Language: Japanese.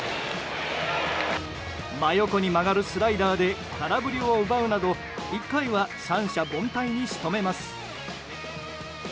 真横に曲がるスライダーで空振りを奪うなど１回は三者凡退に仕留めます。